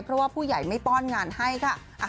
เพราะว่าผู้ใหญ่ไม่ป้อนงานให้ค่ะ